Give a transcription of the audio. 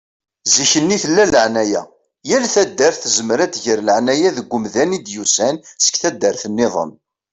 Zikk-nni tella laεnaya. Yal taddart tezmer ad tger laεnaya deg umdan i d-yusan seg taddart-nniḍen.